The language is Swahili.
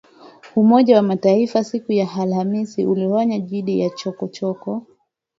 Umoja wa Mataifa siku ya AlhamisI ulionya dhidi ya chokochoko